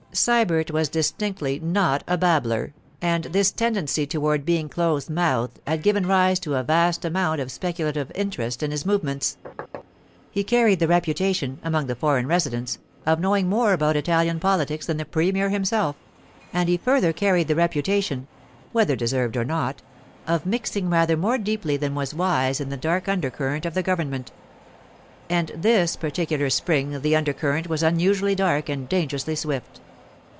Sybert was distinctly not a babbler, and this tendency toward being close mouthed had given rise to a vast amount of speculative interest in his movements. He carried the reputation, among the foreign residents, of knowing more about Italian politics than the premier himself; and he further carried the reputation—whether deserved or not—of mixing rather more deeply than was wise in the dark undercurrent of the government. And this particular spring the undercurrent was unusually dark and dangerously swift.